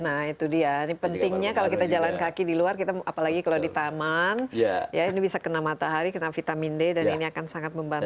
nah itu dia ini pentingnya kalau kita jalan kaki di luar kita apalagi kalau di taman ya ini bisa kena matahari kena vitamin d dan ini akan sangat membantu